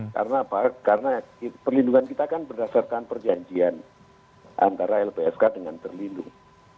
karena perlindungan kita kan berdasarkan perjanjian antara lpsk dengan terlindung